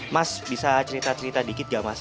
mas bisa cerita cerita dikit gak mas